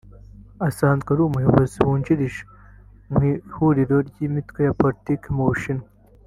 asanzwe ari Umuyobozi wungirije mu ihuriro ry’imitwe ya Politiki mu Bushinwa